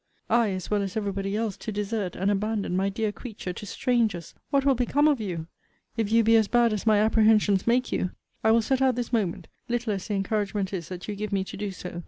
I, as well as every body else, to desert and abandon my dear creature to strangers! What will become of you, if you be as bad as my apprehensions make you! I will set out this moment, little as the encouragement is that you give me to do so!